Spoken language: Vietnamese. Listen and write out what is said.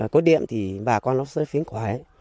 có điện thì bà con nó sẽ phiến quả ấy